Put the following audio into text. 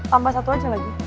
tambah satu aja lagi